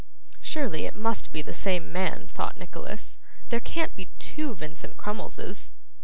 'Surely it must be the same man,' thought Nicholas. 'There can't be two Vincent Crummleses.